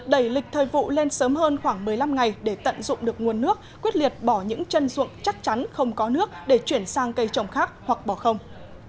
đẩy lịch thời vụ lên sớm hơn khoảng một mươi năm ngày để tận dụng được nguồn nước quyết liệt bỏ những chân ruộng chắc chắn không có nước để chuyển sang cây trồng khác hoặc bỏ không